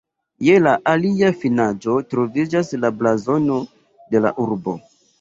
Je la alia finaĵo troviĝas la blazono de la urbo.